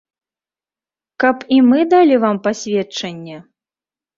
Каб і мы далі вам пасведчанне?